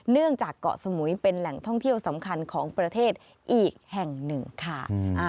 เนื่องจากเกาะสมุยเป็นแหล่งท่องเที่ยวสำคัญของประเทศอีกแห่งหนึ่งค่ะ